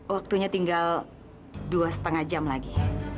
waktunya tinggal dua lima jam lagi